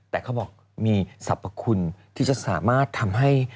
แต่เขาบอกมีศัพท์ภาคคุณที่จะสามารถทำให้